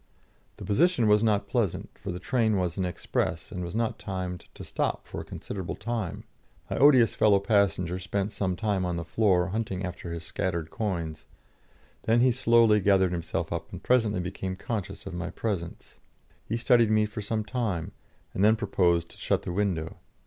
The position was not pleasant, for the train was an express, and was not timed to stop for a considerable time. My odious fellow passenger spent some time on the floor, hunting after his scattered coins; then he slowly gathered himself up and presently became conscious of my presence. He studied me for some time, and then proposed to shut the window.